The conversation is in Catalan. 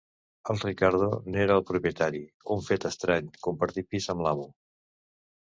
El Riccardo, n'era el propietari; un fet estrany, compartir pis amb l'amo...